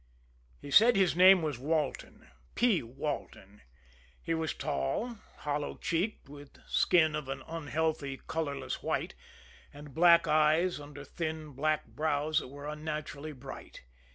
He said his name was Walton P. Walton. He was tall, hollow cheeked, with skin of an unhealthy, colorless white, and black eyes under thin, black brows that were unnaturally bright.